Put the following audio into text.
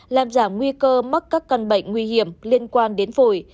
làm giảm nguy cơ mắc các căn bệnh nguy hiểm liên quan đến phổi